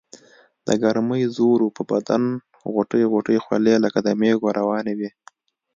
دګرمۍ زور وو پۀ بدن غوټۍ غوټۍ خولې لکه د مېږو روانې وي ـ